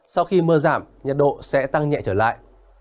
sau khi mưa giảm nhiệt độ sẽ tăng nhẹ trở lại